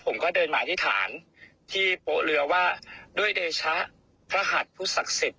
ผมก็เดินมาอธิษฐานที่โป๊ะเรือว่าด้วยเดชะพระหัสผู้ศักดิ์สิทธิ